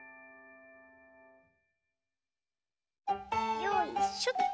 よいしょっと。